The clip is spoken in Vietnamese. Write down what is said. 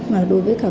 mà đối với cả